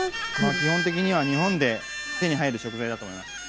基本的には日本で手に入る食材だと思います。